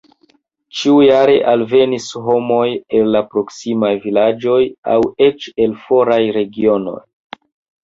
Ĉiujare alvenis homoj el la proksimaj vilaĝoj aŭ eĉ el foraj regionoj.